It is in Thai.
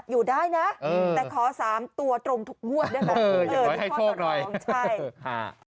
อยู่ได้นะแต่ขอ๓ตัวตรงทุกมวดนะคะอย่าให้โชคหน่อยใช่ค่ะ